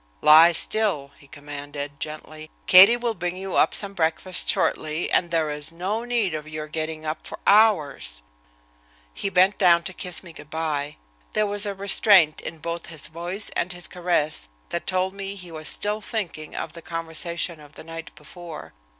"Lie still," he commanded, gently. "Katie will bring you up some breakfast shortly, and there is no need of your getting up for hours." He bent down to kiss me good by. There was a restraint in both his voice and his caress that told me he was still thinking of the conversation of the night before.